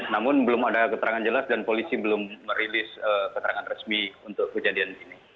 namun belum ada keterangan jelas dan polisi belum merilis keterangan resmi untuk kejadian ini